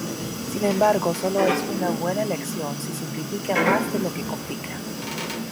Sin embargo solo es una buena elección si simplifica más de lo que complica.